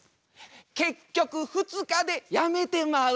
結局２日でやめてまう。